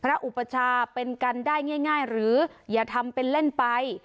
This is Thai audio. อุปชาเป็นกันได้ง่ายหรืออย่าทำเป็นเล่นไป